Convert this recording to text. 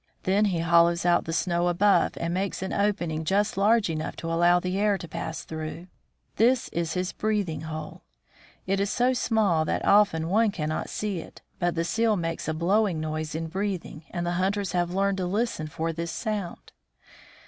Then he hollows out the snow above and makes an opening just large enough to allow the air to pass through ; this is his breathing hole. It is so small that often one cannot see it, but the seal makes a blowing noise in breathing, and the hunters have learned to listen for this sound.